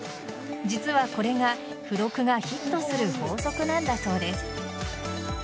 実はこれが付録がヒットする法則なんだそうです。